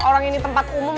orang ini tempat umum